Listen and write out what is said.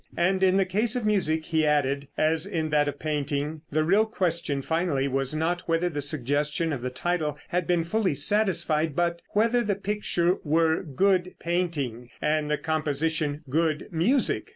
And in the case of music, he added, as in that of painting, the real question finally was not whether the suggestion of the title had been fully satisfied, but whether the picture were good painting and the composition good music.